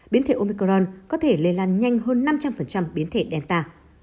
biến thể omicron có thể lây lan nhanh hơn năm trăm linh biến thể delta